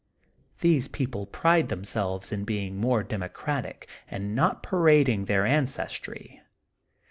These people pride then^selves in being more democratic, and not parading their ancestry.